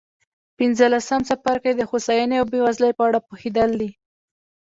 پنځلسم څپرکی د هوساینې او بېوزلۍ په اړه پوهېدل دي.